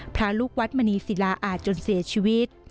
พระลูกวัดมณีศิลาอาจจนเสียชีวิต